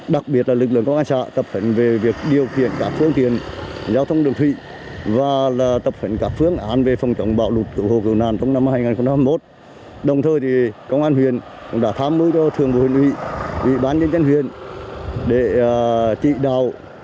đồng thời công an huyền đã thám mưu cho thường bộ huyền ủy vị bán nhân dân huyền để trị đạo